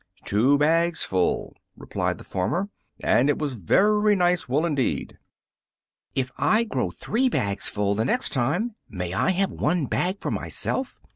"Two bags full," replied the farmer; "and it was very nice wool indeed." "If I grow three bags full the next time, may I have one bag for myself?"